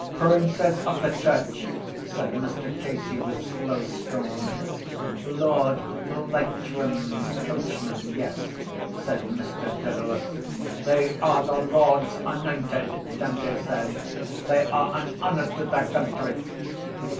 —Princes of the church, said Mr Casey with slow scorn. —Lord Leitrim’s coachman, yes, said Mr Dedalus. —They are the Lord’s anointed, Dante said. They are an honour to their country.